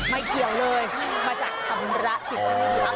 ไม่เกี่ยวเลยมาจากชำระสิทธิ์ที่นี่ดีครับ